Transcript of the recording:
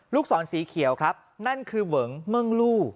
ลูกศรสีเขียวครับนั่นคือเมริงเมิ้งรู่